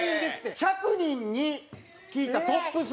１００人に聞いたトップ３。